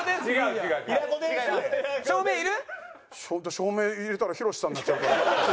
照明入れたらヒロシさんになっちゃうから。